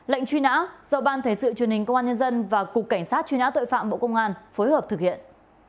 lệnh truy nã do ban thể sự truyền hình công an nhân dân và cục cảnh sát truy nã tội phạm bộ công an phối hợp thực hiện